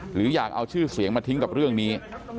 หรืออยากเอาชื่อเสียงมาทิ้งกับเรื่องนี้